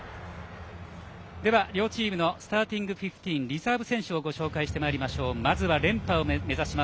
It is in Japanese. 両チームのスターティングフィフティーンリザーブ選手をご紹介してまいります。